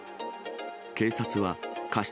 警察は過失